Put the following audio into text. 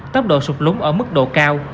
tốc độ sụt lúng ở mức độ cao